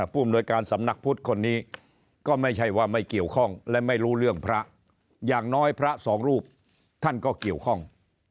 ผู้อำนวยการสำนักพุทธคนนี้ก็ไม่ใช่ว่าไม่เกี่ยวข้องและไม่รู้เรื่องพระอย่างน้อยพระสองรูปท่านก็เกี่ยวข้อง